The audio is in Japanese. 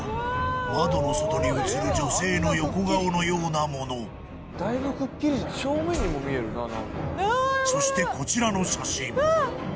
窓の外に写る女性の横顔のようなものそしてこちらの写真